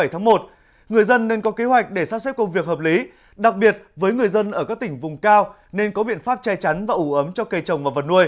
tháng một người dân nên có kế hoạch để sắp xếp công việc hợp lý đặc biệt với người dân ở các tỉnh vùng cao nên có biện pháp che chắn và ủ ẩn